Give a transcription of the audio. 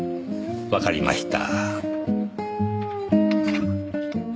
わかりました。